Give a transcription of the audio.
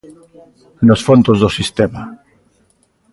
Nos fondos do sistema.